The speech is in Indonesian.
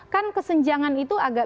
kan kesenjangan itu agak